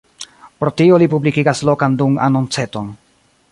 Pro tio, li publikigas lokan dung-anonceton.